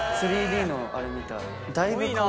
３Ｄのあれみたい。